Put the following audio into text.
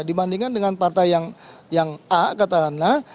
dibandingkan dengan partai yang a katakanlah